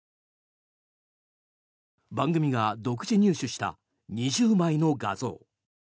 番組が独自入手した２０枚の画像。